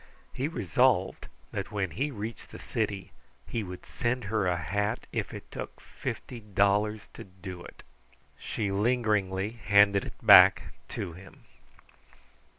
He resolved that when he reached the city he would send her a hat, if it took fifty dollars to do it. She lingeringly handed it back to him.